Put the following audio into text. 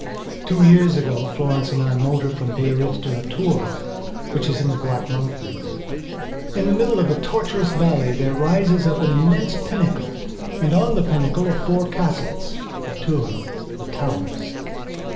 Two years ago Florence and I motored from Biarritz to Las Tours, which is in the Black Mountains. In the middle of a tortuous valley there rises up an immense pinnacle and on the pinnacle are four castlesLas Tours, the Towers.